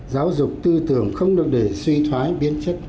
giáo dục tư tưởng không được để suy thoái biến chất